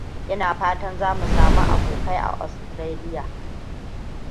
Ina fatan za mu sami abokai a Austaralia.